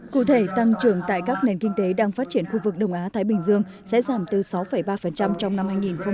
cụ thể tăng trưởng tại các nền kinh tế đang phát triển khu vực đông á thái bình dương sẽ giảm từ sáu ba trong năm hai nghìn hai mươi